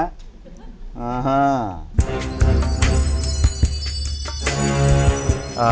อ่าฮ่า